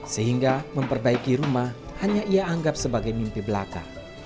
sehingga memperbaiki rumah hanya ia anggap sebagai mimpi belaka